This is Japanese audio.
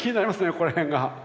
ここら辺が。